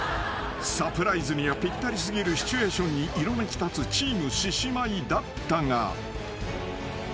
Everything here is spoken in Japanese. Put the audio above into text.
［サプライズにはぴったり過ぎるシチュエーションに色めき立つチーム獅子舞だったが］